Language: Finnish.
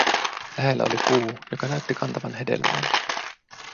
Lähellä oli puu, joka näytti kantavan hedelmää.